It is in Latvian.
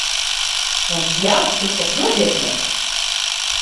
Mums jāaptur tas noziedznieks!